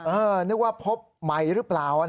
นึกว่าพบใหม่หรือเปล่า